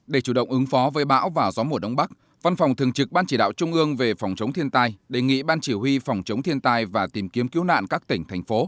để chủ động ứng phó với bão và gió mùa đông bắc văn phòng thường trực ban chỉ đạo trung ương về phòng chống thiên tai đề nghị ban chỉ huy phòng chống thiên tai và tìm kiếm cứu nạn các tỉnh thành phố